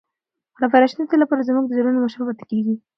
خلفای راشدین د تل لپاره زموږ د زړونو مشران پاتې کیږي.